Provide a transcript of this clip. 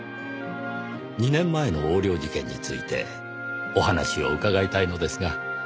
２年前の横領事件についてお話を伺いたいのですが。